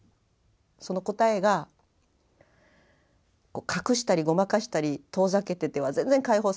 その答えが隠したりごまかしたり遠ざけてては全然解放されないと。